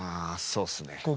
あそうっすね。